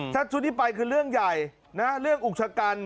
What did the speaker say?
ถ้าชุดที่ไปคือเรื่องใหญ่นะเรื่องอุกชะกัน